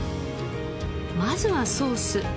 まずはソース。